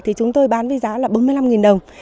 thì chúng tôi bán với giá là bốn mươi năm đồng